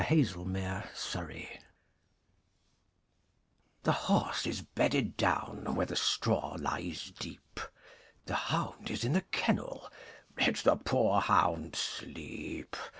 WITH THE CHIDDINGFOLDS The horse is bedded down Where the straw lies deep. The hound is in the kennel; Let the poor hound sleep!